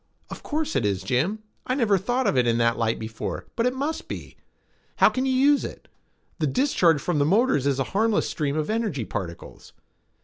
"Of course it is, Jim. I never thought of it in that light before, but it must be. How can you use it? The discharge from the motors is a harmless stream of energy particles."